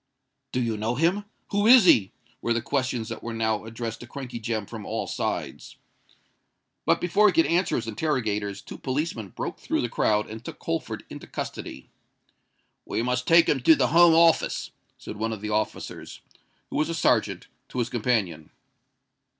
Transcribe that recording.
"Do you know him?" "Who is he?" were the questions that were now addressed to Crankey Jem from all sides. But before he could answer his interrogators, two policemen broke through the crowd, and took Holford into custody. "We must take him to the Home Office," said one of the officers, who was a serjeant, to his companion.